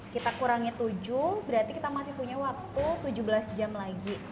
kita kurangi tujuh berarti kita masih punya waktu tujuh belas jam lagi